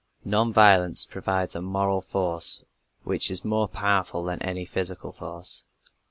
Non violence provides a moral force which is more powerful than any physical force.